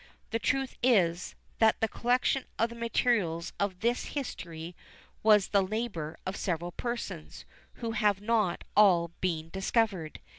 The truth is, that the collection of the materials of this history was the labour of several persons, who have not all been discovered.